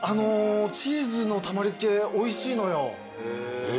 チーズのたまり漬おいしいのよ。